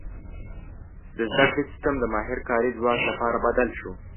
• د زده کړې سیستم د ماهر کاري ځواک لپاره بدل شو.